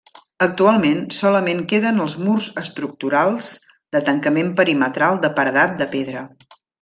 Actualment solament queden els murs estructurals de tancament perimetral de paredat de pedra.